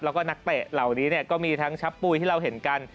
แล้วก็นักเตะเหล่านี้ก็มีทั้งชับปุยที่เราเห็นกัน